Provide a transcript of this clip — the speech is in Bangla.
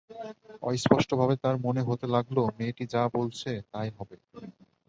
অস্পষ্টভাবে তাঁর মনে হতে লাগল, মেয়েটি যা বলছে, তা-ই হবে।